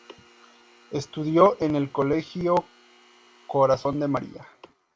Estudió en el colegio Corazón de María.